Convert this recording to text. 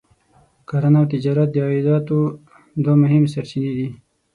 کرنه او تجارت د عایداتو دوه مهمې سرچینې دي.